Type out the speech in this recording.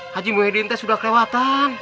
haji muhaydin teh sudah kelewatan